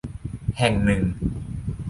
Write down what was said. แห่งหนึ่ง